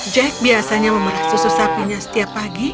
jack biasanya memerah susu sapinya setiap pagi